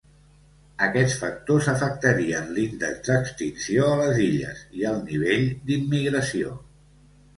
Aquests factors afectarien l'índex d'extinció a les illes i el nivell d'immigració.